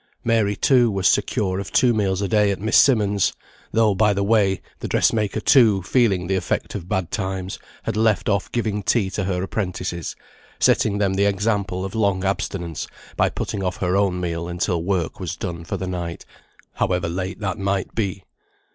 Mary, too, was secure of two meals a day at Miss Simmonds'; though, by the way, the dress maker, too, feeling the effect of bad times, had left off giving tea to her apprentices, setting them the example of long abstinence by putting off her own meal until work was done for the night, however late that might be.